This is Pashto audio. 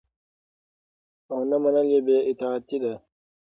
او نه منل يي بي اطاعتي ده